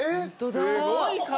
すごい数。